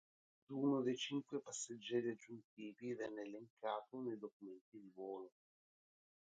Nessuno dei cinque passeggeri aggiuntivi venne elencato nei documenti di volo.